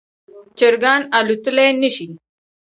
چرګان الوتلی نشي